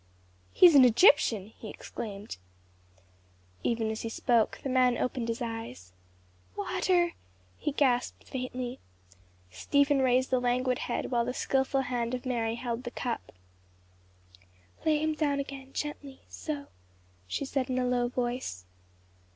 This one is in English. "He is an Egyptian!" he exclaimed. Even as he spoke, the man opened his eyes. "Water!" he gasped faintly. Stephen raised the languid head while the skilful hand of Mary held the cup. "Lay him down again, gently so," she said in a low voice.